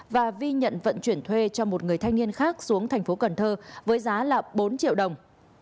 và vi nhận vận chuyển thuê cho một người thanh niên khác xuống thành phố cần thơ với giá là bốn triệu đồng